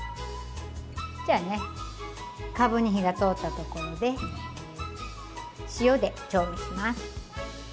じゃあねかぶに火が通ったところで塩で調味します。